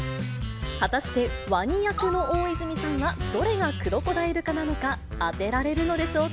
果たしてワニ役の大泉さんは、どれがクロコダイル科なのか、当てられるのでしょうか。